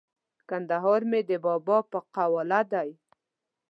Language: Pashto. کندهار مې د بابا په قواله دی!